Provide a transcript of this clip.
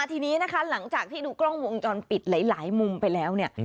ทีนี้นะคะหลังจากที่ดูกล้องวงจรปิดหลายมุมไปแล้วเนี่ย